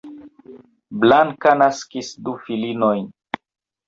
Blanka naskis du filinojn.